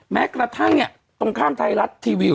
แม้กระทั่งเนี่ยตรงข้ามไทยรัฐทีวี